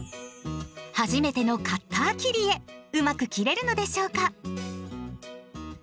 初めてのカッター切り絵うまく切れるのでしょうか。